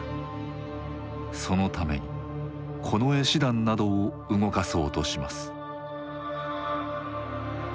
そのために近衛師団などを動かそうとします。